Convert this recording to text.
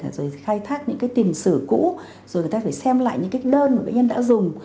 rồi khai thác những cái tiền sử cũ rồi người ta phải xem lại những cái đơn mà bệnh nhân đã dùng